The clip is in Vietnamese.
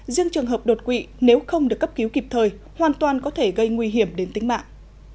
riêng trường hợp đột quỵ nếu không được cấp cứu kịp thời hoàn toàn có thể gây nguy hiểm đến tính mạng